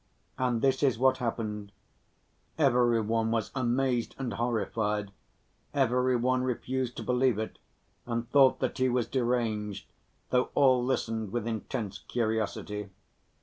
And this is what happened: every one was amazed and horrified, every one refused to believe it and thought that he was deranged, though all listened with intense curiosity.